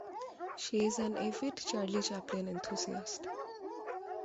She is an avid Charlie Chaplin enthusiast.